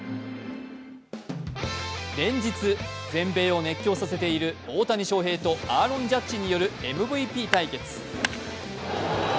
連日、全米を熱狂させている大谷翔平とアーロン・ジャッジによるＭＶＰ対決。